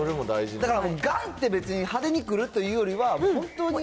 だから、がん！って、別に派手にくるというよりは、本当に。